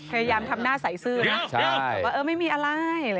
พยายามทำหน้าใสซื้อนะ